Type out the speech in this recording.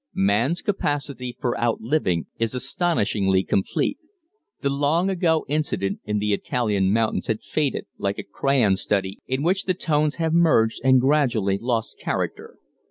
Man's capacity for outliving is astonishingly complete. The long ago incident in the Italian mountains had faded, like a crayon study in which the tones have merged and gradually lost character.